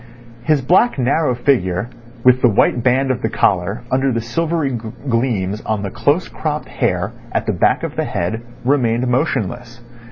His black, narrow figure, with the white band of the collar under the silvery gleams on the close cropped hair at the back of the head, remained motionless.